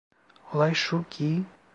Olay şu ki…